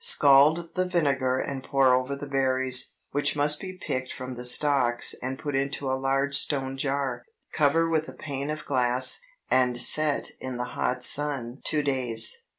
Scald the vinegar and pour over the berries, which must be picked from the stalks and put into a large stone jar. Cover with a pane of glass, and set in the hot sun two days.